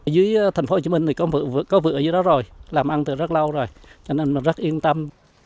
dưới thành phố hồ chí minh thì có vườn ở dưới đó rồi làm ăn từ rất lâu rồi cho nên rất yên tâm